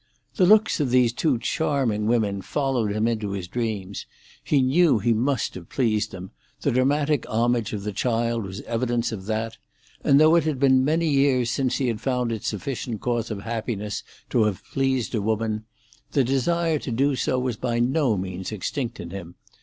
The looks of these two charming women followed him into his dreams; he knew he must have pleased them, the dramatic homage of the child was evidence of that; and though it had been many years since he had found it sufficient cause of happiness to have pleased a woman, the desire to do so was by no means extinct in him.